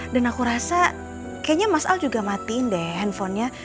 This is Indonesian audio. dan aku rasa kayaknya mas al juga matiin deh handphonenya